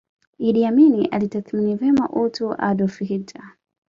Idi Amin alitathmini vyema utu wa Adolf Hitler